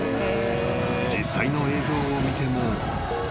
［実際の映像を見ても］